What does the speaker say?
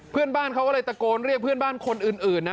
เพื่อนบ้านเขาก็เลยตะโกนเรียกเพื่อนบ้านคนอื่นนะ